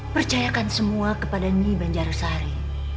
percayakan semua kepada nyi banjar sari